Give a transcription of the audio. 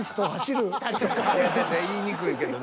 言いにくいけど。